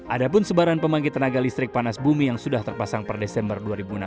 ada pun sebaran pembangkit tenaga listrik panas bumi yang sudah terpasang per desember dua ribu enam belas